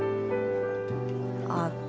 ああ。